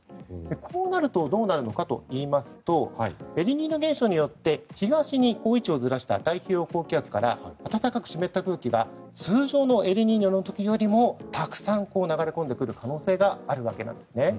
こうなるとどうなるのかといいますとエルニーニョ現象によって東に位置をずらした太平洋高気圧から暖かく湿った空気が通常のエルニーニョの時よりもたくさん流れ込んでくる可能性があるわけなんです。